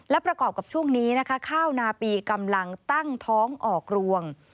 และประกอบกับช่วงนี้นะคะข้าวนาปีกำลังตั้งท้องออกรวง